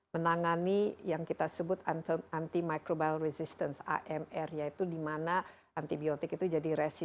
pemot satan itu ya